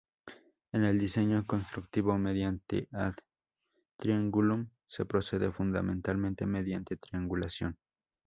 En el diseño constructivo mediante "ad triangulum" se procede fundamentalmente mediante triangulación.